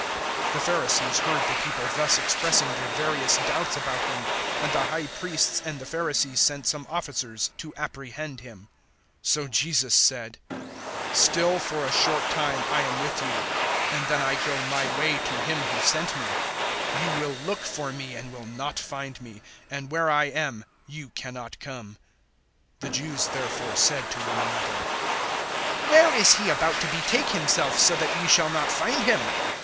007:032 The Pharisees heard the people thus expressing their various doubts about Him, and the High Priests and the Pharisees sent some officers to apprehend Him. 007:033 So Jesus said, "Still for a short time I am with you, and then I go my way to Him who sent me. 007:034 You will look for me and will not find me, and where I am you cannot come." 007:035 The Jews therefore said to one another, "Where is he about to betake himself, so that we shall not find him?